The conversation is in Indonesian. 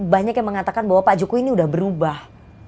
banyak yang mengatakan bahwa pak jokowi ini sudah berubah